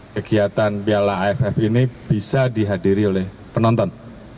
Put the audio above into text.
kegiatan piala aff ini bisa dihadiri oleh penonton